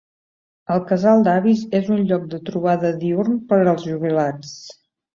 El casal d'avis és un lloc de trobada diürn per als jubilats.